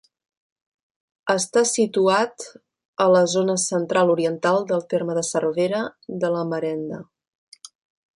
Està situat a la zona central-oriental del terme de Cervera de la Marenda.